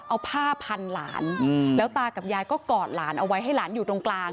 เอาผ้าพันหลานแล้วตากับยายก็กอดหลานเอาไว้ให้หลานอยู่ตรงกลาง